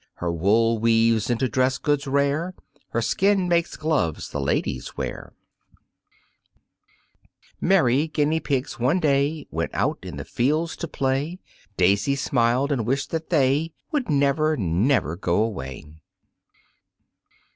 Her wool weaves into dress goods rare, Her skin makes gloves the ladies wear. Merry guinea pigs one day Went out in the fields to play. Daisy smiled and wished that they Would never, never go away.